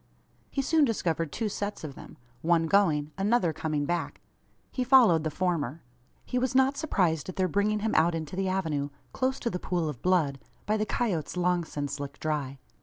He soon discovered two sets of them one going another coming back. He followed the former. He was not surprised at their bringing him out into the avenue close to the pool of blood by the coyotes long since licked dry.